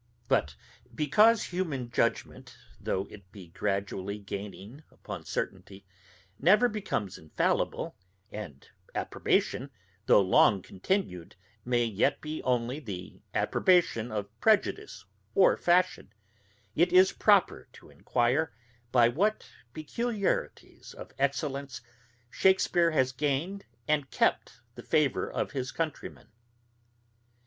But because human judgment, though it be gradually gaining upon certainty, never becomes infallible; and approbation, though long continued, may yet be only the approbation of prejudice or fashion; it is proper to inquire, by what peculiarities of excellence Shakespeare has gained and kept the favour of his countrymen.